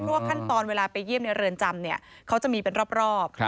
เพราะว่าขั้นตอนเวลาไปเยี่ยมในเรือนจำเนี่ยเขาจะมีเป็นรอบ